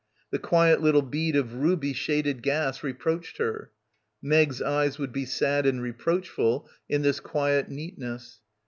The quiet little bead of ruby shaded gas reproached her. Meg's eyes would be sad and reproachful in this quiet neat ness.